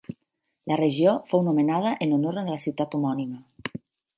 La regió fou nomenada en honor a la ciutat homònima.